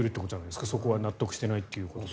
そこは納得してないということなので。